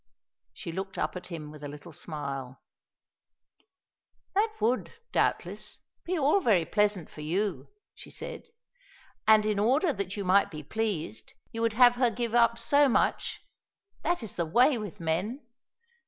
She looked up at him with a little smile. "That would, doubtless, be all very pleasant for you," she said, "and in order that you might be pleased, you would have her give up so much. That is the way with men!